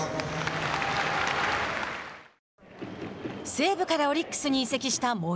西武からオリックスに移籍した森。